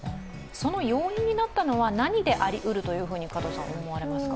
その要因になったのは何でありうると思われますか？